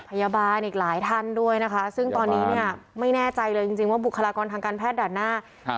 พยาบาลอีกหลายท่านด้วยนะคะซึ่งตอนนี้เนี่ยไม่แน่ใจเลยจริงจริงว่าบุคลากรทางการแพทย์ด่านหน้าครับ